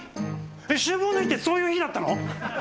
秋分の日ってそういう日だったの？